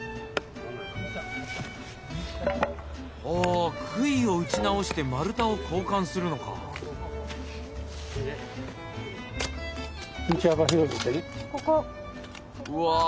あくいを打ち直して丸太を交換するのかあ。